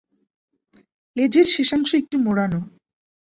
লেজের শেষাংশ একটু মোড়ানো।